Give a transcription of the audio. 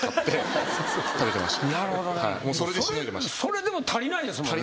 それでも足りないですもんね？